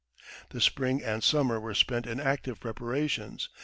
The spring and summer were spent in active preparations.